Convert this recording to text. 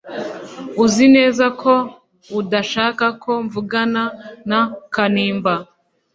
Uzi neza ko udashaka ko mvugana na Kanimba